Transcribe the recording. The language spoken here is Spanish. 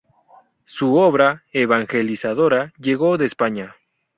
Su obra evangelizadora llegó de España.